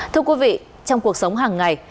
thưa quý vị trong cuộc sống hàng ngày